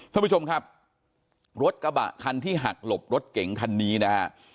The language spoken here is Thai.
ท่านผู้ชมครับรถกระบะคันที่หักหลบรถเก๋งคันนี้นะฮะ